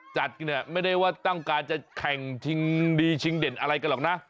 จัดเนี่ยไม่ได้ว่าต้องการจะแข่งชิงดีชิงเด่นอะไรกันหรอกนะ